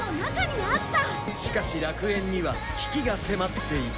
しかし楽園には危機が迫っていた